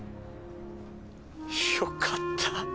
「よかった」